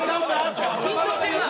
緊張してるな。